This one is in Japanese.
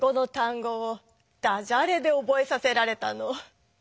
語をダジャレでおぼえさせられたの。